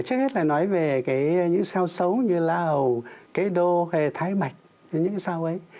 trước hết là nói về những sao xấu như là hồ cái đô hay thái bạch những sao ấy